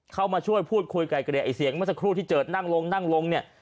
เข้ามาช่วยพูดคุยไก่เกลียไอ้เสียงเมื่อสักครู่ที่เจิดนั่งลงนั่งลงเนี่ย